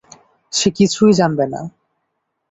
সে কিছুই জানবে না।